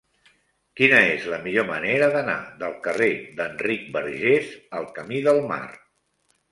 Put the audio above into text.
Quina és la millor manera d'anar del carrer d'Enric Bargés al camí del Mar?